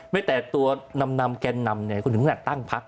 ไม่แต่ตัวนำแกนนำเนี่ยคุณถึงขนาดตั้งพัก